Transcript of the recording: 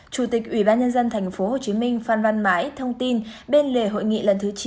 chủ tịch ủy ban nhân dân tp hcm phan văn mãi thông tin bên lề hội nghị lần thứ chín